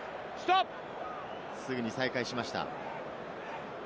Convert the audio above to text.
すぐに再開しました。